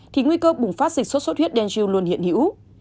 thì nguy cơ bùng phát dịch sốt xuất huyết denew luôn hiện hữu